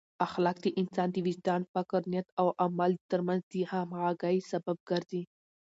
اخلاق د انسان د وجدان، فکر، نیت او عمل ترمنځ د همغږۍ سبب ګرځي.